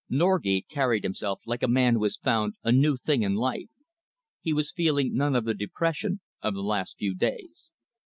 Norgate carried himself like a man who has found a new thing in life. He was feeling none of the depression of the last few days.